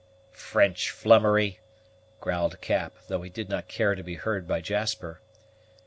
"French flummery!" growled Cap, though he did not care to be heard by Jasper.